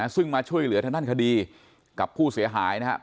ซึ่งมาช่วยเหลือทางด้านคดีกับผู้เสียหายนะครับ